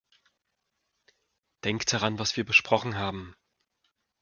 Denk daran, was wir besprochen haben!